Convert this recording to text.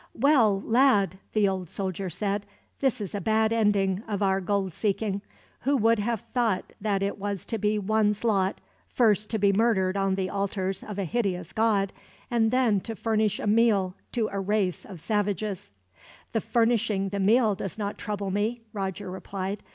"Well, lad!" the old soldier said. "This is a bad ending of our gold seeking. Who would have thought that it was to be one's lot, first to be murdered on the altars of a hideous god, and then to furnish a meal to a race of savages?" "The furnishing the meal does not trouble me," Roger replied.